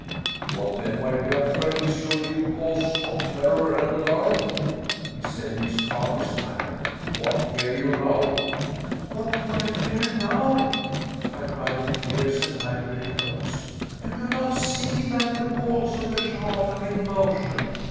"What, then, my young friend, is your new cause of terror and alarm?" he said in his calmest manner. "What fear you now?" "What do I fear now!" I cried in fierce and angry tones. "Do you not see that the walls of the shaft are in motion?